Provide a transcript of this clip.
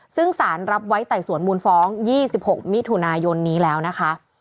ซึ่งสารรับไว้ไต่สวนมูลฟ้อง๒๖มิถุนายนนี้แล้วนะคะ